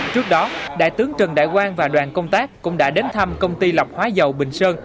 trước đó đại tướng trần đại quang và đoàn công tác cũng đã đến thăm công ty lọc hóa dầu bình sơn